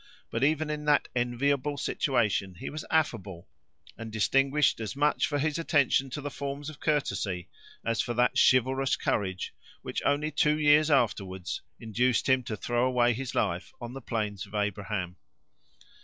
But even in that enviable situation, he was affable, and distinguished as much for his attention to the forms of courtesy, as for that chivalrous courage which, only two short years afterward, induced him to throw away his life on the plains of Abraham.